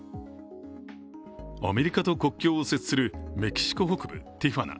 アメリカと国境を接するメキシコ北部ティファナ。